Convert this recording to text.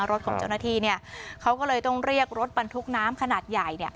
รถของเจ้าหน้าที่เนี่ยเขาก็เลยต้องเรียกรถบรรทุกน้ำขนาดใหญ่เนี่ย